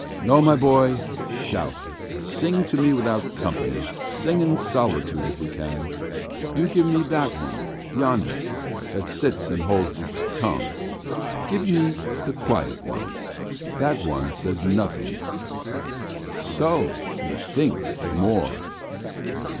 No, my boy, shout, sing to me without company; sing in solitude, if you can. ... You give me that one yonder that sits and holds its tongue! Give me the quiet one! That one says nothing, so he thinks the more.